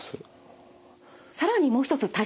更にもう一つ対策